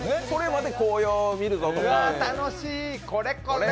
それまで紅葉見るぞとかね。